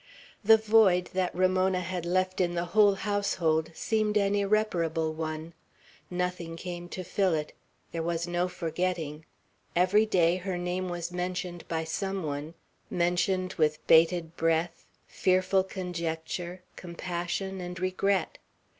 The void that Ramona had left in the whole household seemed an irreparable one; nothing came to fill it; there was no forgetting; every day her name was mentioned by some one; mentioned with bated breath, fearful conjecture, compassion, and regret.